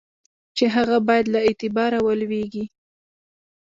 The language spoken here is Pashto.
چي هغه باید له اعتباره ولوېږي.